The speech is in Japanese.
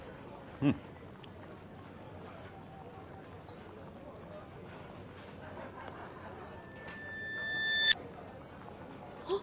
うんあっ